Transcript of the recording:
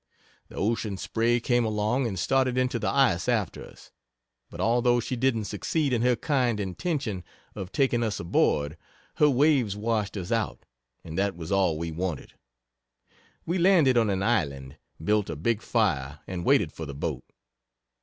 The Ocean Spray came along and started into the ice after us, but although she didn't succeed in her kind intention of taking us aboard, her waves washed us out, and that was all we wanted. We landed on an island, built a big fire and waited for the boat.